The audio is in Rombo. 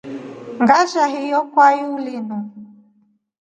Nasha hiyo kaukya linu.